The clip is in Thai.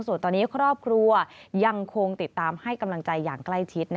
ส่วนตอนนี้ครอบครัวยังคงติดตามให้กำลังใจอย่างใกล้ชิด